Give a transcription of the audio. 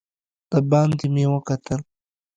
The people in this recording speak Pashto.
دباندې مې وکتل.